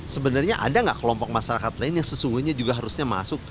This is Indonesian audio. sebenarnya ada nggak kelompok masyarakat lain yang sesungguhnya juga harusnya masuk